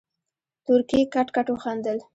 تورکي کټ کټ وخندل.